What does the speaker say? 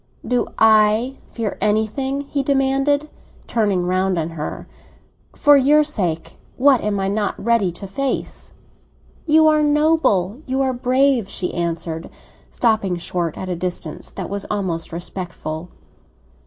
"Do I fear anything?" he demanded, turning round on her. "For your sake what am I not ready to face?" "You are noble—you are brave!" she answered, stopping short at a distance that was almost respectful.